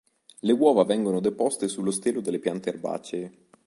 Le uova vengono deposte sullo stelo delle piante erbacee.